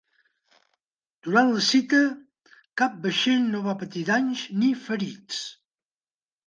Durant la cita, cap vaixell no va patir danys ni ferits.